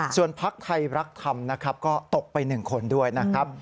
ส่วนพักไทยรักษณ์ทำก็ตกไป๑คนด้วยนะครับ